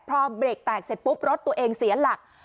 พอเบรกแตกเสร็จปุ๊บรถตัวเองเสียหลัก